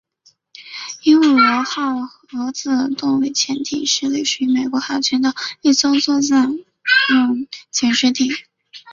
鹦鹉螺号核子动力潜艇是隶属于美国海军的一艘作战用潜水艇。